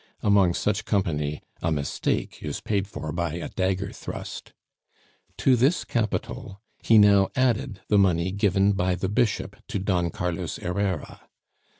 Among such company a mistake is paid for by a dagger thrust. To this capital he now added the money given by the bishop to Don Carlos Herrera.